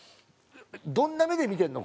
どんな目で見てるの？